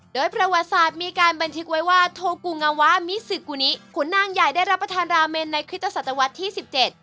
โดยประวัติศาสตร์มีการบันทึกไว้ว่าโทกูงาวะมิซึกูนิขุนนางใหญ่ได้รับประทานราเมนในคริสตศตวรรษที่สิบเจ็ด